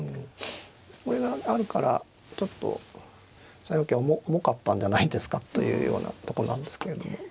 これがあるからちょっと３四桂は重かったんじゃないですかというようなとこなんですけど。